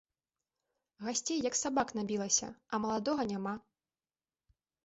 Гасцей як сабак набілася, а маладога няма.